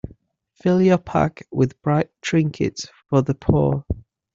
Fill your pack with bright trinkets for the poor.